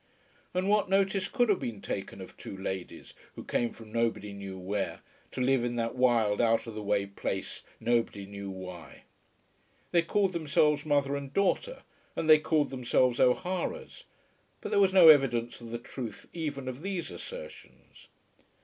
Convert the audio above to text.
And what notice could have been taken of two ladies who came from nobody knew where, to live in that wild out of the way place, nobody knew why? They called themselves mother and daughter, and they called themselves O'Haras; but there was no evidence of the truth even of these assertions.